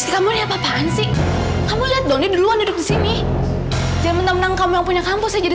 kamu lihat apaan sih kamu lihat dulu andres ini jangan menang kamu punya kampus jadi